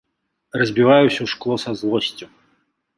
Разбіваю ўсё шкло са злосцю.